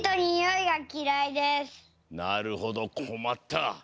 なるほどこまった。